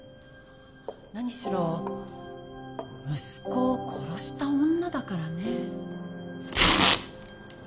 何しろ息子を殺した女だからね。